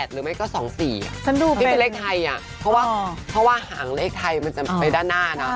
หรือไม่ก็๒๔ที่เป็นเลขไทยเพราะว่าเพราะว่าหางเลขไทยมันจะไปด้านหน้านะ